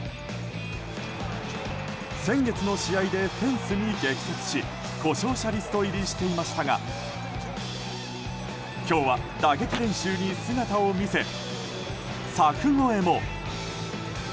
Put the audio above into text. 先月の試合でフェンスに激突し故障者リスト入りしていましたが今日は打撃練習に姿を見せ柵越えも。